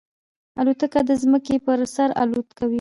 الوتکه د ځمکې پر سر الوت کوي.